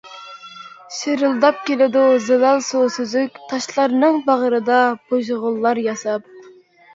شىرىلداپ كېلىدۇ زىلال سۇ سۈزۈك، تاشلارنىڭ باغرىدا بۇژغۇنلار ياساپ.